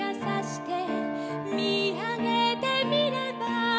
「見上げてみれば」